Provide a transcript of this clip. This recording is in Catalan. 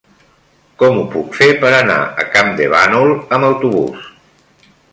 Com ho puc fer per anar a Campdevànol amb autobús?